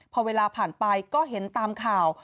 พอเวลาผ่านไปก็เห็นตามข่าว